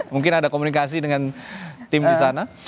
mungkin ada komunikasi dengan tim di sana